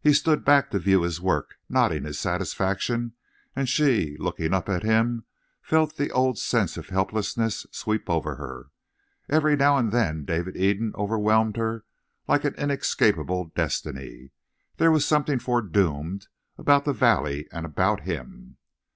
He stood back to view his work, nodding his satisfaction, and she, looking up at him, felt the old sense of helplessness sweep over her. Every now and then David Eden overwhelmed her like an inescapable destiny; there was something foredoomed about the valley and about him.